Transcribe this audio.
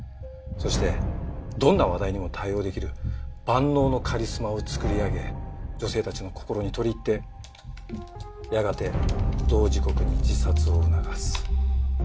そしてどんな話題にも対応できる万能のカリスマを作り上げ女性たちの心に取り入ってやがて同時刻に自殺を促す。